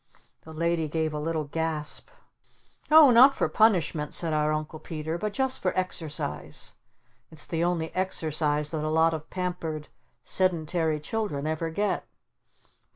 The Lady gave a little gasp. "Oh, not for punishment," said our Uncle Peter. "But just for exercise. It's the only exercise that a lot of pampered, sedentary children ever get!"